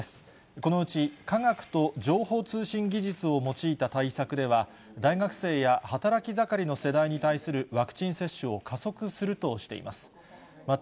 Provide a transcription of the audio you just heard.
このうち科学と情報通信技術を用いた対策では、大学生や働き盛りの世代に対するワクチン接種を加速するとしています。